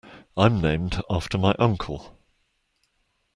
I'm named after my uncle.